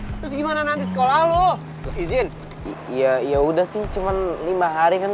ada lu terus gimana nanti sekolah lu izin iya iya udah sih cuman lima hari kan